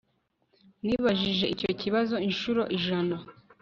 Nibajije icyo kibazo inshuro ijana